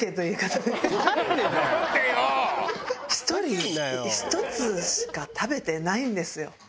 １人１つしか食べてないんですよ。